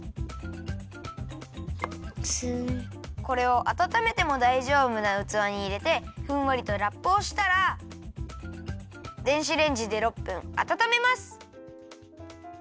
これをあたためてもだいじょうぶなうつわにいれてふんわりとラップをしたら電子レンジで６分あたためます。